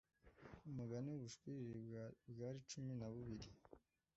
umugani wubushwiriri bwari cumi nabibiri